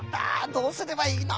どうすればいいの？